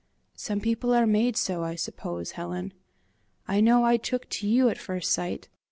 "Some people are made so, I suppose, Helen. I know I took to you at first sight!